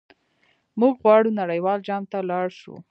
موږ غواړو نړیوال جام ته لاړ شو.